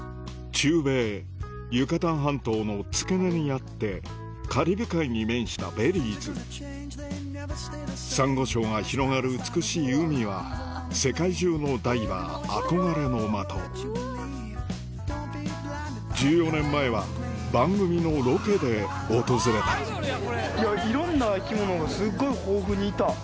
中米ユカタン半島の付け根にあってカリブ海に面したベリーズサンゴ礁が広がる美しい海は世界中のダイバー憧れの的１４年前は番組のロケで訪れたいろんな生き物がすっごい豊富にいた。